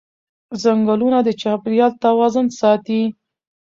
ځنګلونه د چاپېریال توازن ساتي